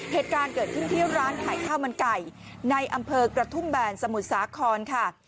เหตุการณ์เกิดขึ้นที่ร้านขายข้าวมันไก่ในอำเภอกระทุ่มแบนสมุทรสาครค่ะ